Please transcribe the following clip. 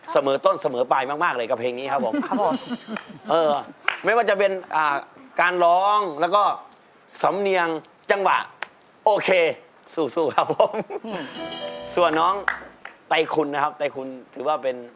เสมอต้นเสมอปลายมากเลยกับเพลงนี้ครับผม